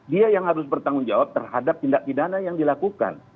dia yang harus bertanggung jawab terhadap tindak pidana yang dilakukan